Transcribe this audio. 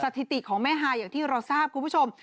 สถิติของแม่ฮายอย่างที่เราทราบคุณผู้ชม